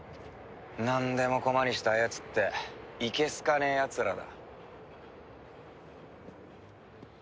なんでも駒にして操っていけ好かねえやつらだ。